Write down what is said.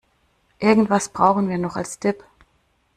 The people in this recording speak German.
Irgendwas brauchen wir noch als Dip.